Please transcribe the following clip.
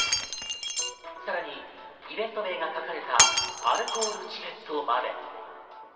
さらにイベント名が書かれたアルコールチケットまで。